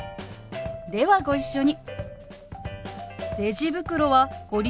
ではご一緒に。